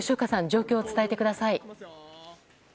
状況を伝えてください。